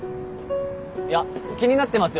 いや気になってますよね？